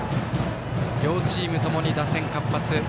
両チームともに打線活発。